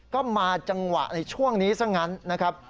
ก็มาจังหวะในช่วงนี้ซะงั้นนะครับ